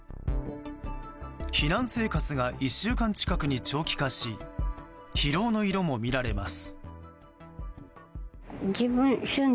避難生活が１週間近くに長期化し疲労の色も見られます。